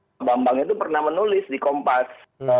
pak bambang itu pernah menulis di kompas